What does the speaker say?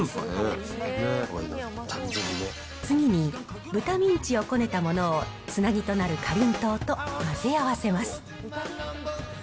次に豚ミンチをこねたものを、つなぎとなるかりんとうと混ぜ合わせます。